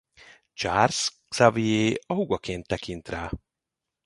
Charles Xavier a húgaként tekint rá.